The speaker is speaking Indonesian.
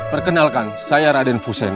perkenalkan saya raden fusena